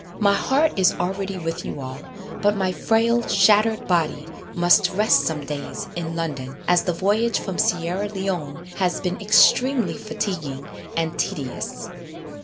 My heart is already with you all, but my frail shattered body must rest some days in London, as the voyage from Sierra Leone has been extremely fatiguing and tedious."